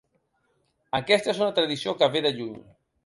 Aquesta és una tradició que ve de lluny.